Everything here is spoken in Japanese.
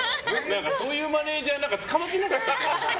そういうマネジャー捕まってなかった？